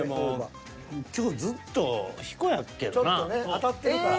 当たってるから。